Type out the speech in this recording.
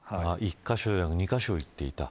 １カ所や２カ所行っていた。